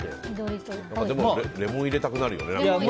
レモンを入れたくなるよね。